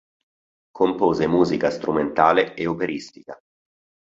Compose musica strumentale e operistica.